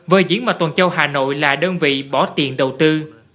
vợ diễn mà tuần châu hà nội là đơn vị bỏ tiền đầu tư